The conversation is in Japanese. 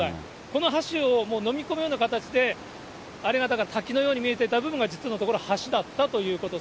この橋をもう飲み込むような形で、あれが、だから滝のように見えていた部分が、実のところ、橋だったということ。